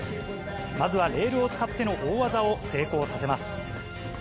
まずはレールを使っての大技を成功させます。